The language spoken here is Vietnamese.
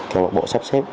câu lạc bộ sắp xếp